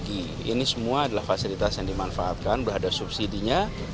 ini semua adalah fasilitas yang dimanfaatkan berhadap subsidi nya